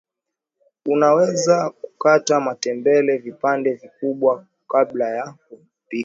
unaweza kukata matembele vipande vikubwa kabla ya kupika